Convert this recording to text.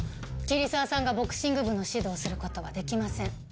桐沢さんがボクシング部の指導をする事はできません。